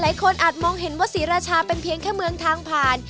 อาจมองเห็นว่าศรีราชาเป็นเพียงแค่เมืองทางผ่าน